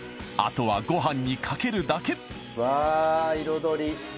あとはごはんにかけるだけわぁ彩り！